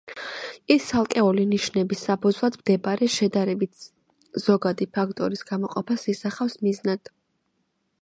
ის ცალკეული ნიშნების საფუძვლად მდებარე, შედარებით ზოგადი ფაქტორის გამოყოფას ისახავს მიზნად.